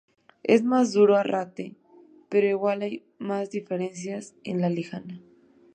Es más duro Arrate, pero igual hay más diferencias en la Lejana"".